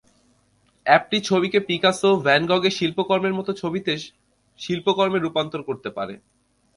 অ্যাপটি ছবিকে Picasso, van গঘের শিল্পকর্মের মতো ছবিতে শিল্পকর্মে রূপান্তর করতে পারে।